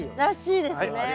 らしいですね。